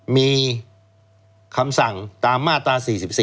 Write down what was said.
มีคำสั่งตามมาตรา๔๔